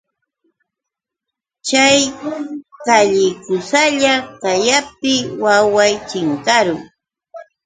Chay llakikusalla kayaptiy waway chinkarun.